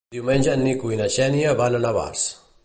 Diumenge en Nico i na Xènia van a Navàs.